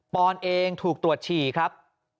ออนเองถูกตรวจฉี่ครับ